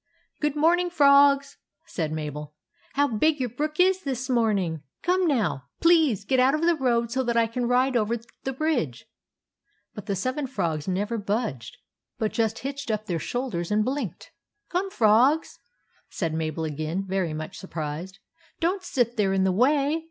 " Good morning, frogs," said Mabel. u How big your brook is this morning ! Come now, please get out of the road so that I can ride over the bridge." But the seven frogs never budged, but just hitched up their shoulders and blinked. " Come, frogs !" said Mabel again, very much surprised. " Don't sit there in the way.